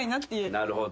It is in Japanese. なるほど。